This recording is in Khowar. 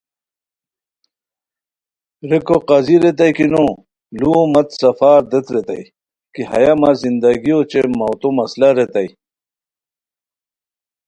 ریکو قاضی ریتائے کی نو لوؤ مت سفار دیت ریتائے کی ہیہ مہ زندگیو اوچے موتو مسئلہ ریتائے